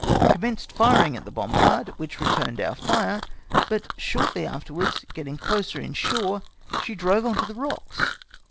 Commenced firing at the bombard, which returned our fire; but shortly afterwards getting closer in shore she drove on the rocks.